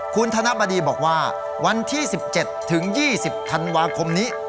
คุณธนบดีบอกว่าวันที่๑๗ถึง๒๐ธันวาคมนี้